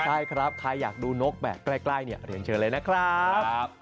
ใช่ครับใครอยากดูนกแบบใกล้เนี่ยเรียนเชิญเลยนะครับ